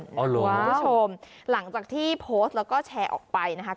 คุณผู้ชมหลังจากที่โพสต์แล้วก็แชร์ออกไปนะคะ